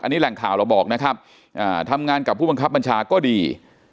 อันนี้แหล่งข่าวเราบอกนะครับทำงานกับผู้บังคับบัญชาก็ดี